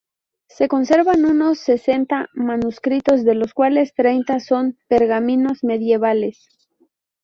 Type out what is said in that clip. Se conservan unos sesenta manuscritos, de los cuales treinta son pergaminos medievales.